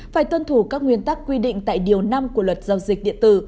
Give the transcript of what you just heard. phải tuân thủ các nguyên tắc quy định tại điều năm của luật giao dịch điện tử